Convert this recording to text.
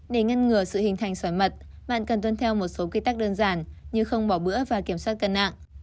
để ngăn ngừa sự hình thành sỏi mật bạn cần tuân theo một số quy tắc đơn giản như không bỏ bữa và kiểm soát cân nặng